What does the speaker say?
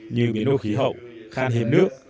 như biến đổi khí hậu khan hiểm nước